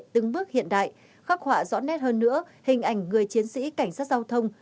từng bước hiện đại khắc họa rõ nét hơn nữa hình ảnh người chiến sĩ cảnh sát giao thông